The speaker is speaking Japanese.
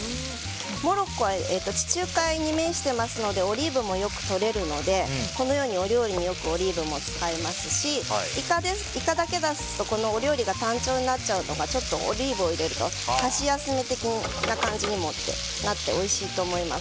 モロッコは地中海に面していますのでオリーブもよくとれるのでお料理によくオリーブも使いますしイカだけですとお料理が単調になってしまうのがちょっとオリーブを入れると箸休めな感じにもなっておいしいと思います。